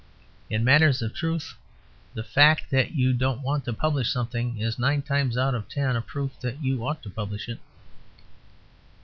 In matters of truth the fact that you don't want to publish something is, nine times out of ten, a proof that you ought to publish it.